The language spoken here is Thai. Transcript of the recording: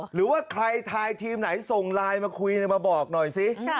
หรือว่าใครทายทีมไหนส่งไลน์มาคุยมาบอกหน่อยสิ